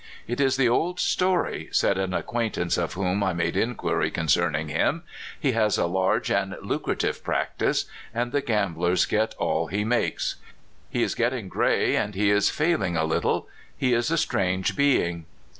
"It is the old story," said an acquaintance of whom I made inquiry concerning him: *' he has a large and lucrative practice, and the gamblers AT THE END. 329 get all he makes. He is getting gray, and he is lailing a little. He is a strange being."